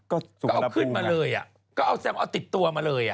ก็เอาขึ้นมาเลยเอาติดตัวมาเลย